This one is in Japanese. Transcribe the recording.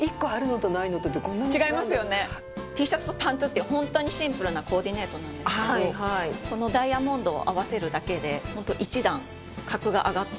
Ｔシャツとパンツっていうホントにシンプルなコーディネートなんですけどこのダイヤモンドを合わせるだけで一段格が上がったような。